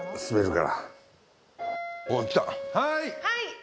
はい。